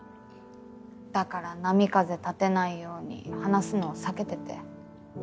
だから波風立てないように話すのを避けてて。